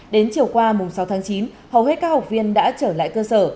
đến chiều qua sáu tháng chín hầu hết các học viên đã trở lại cơ sở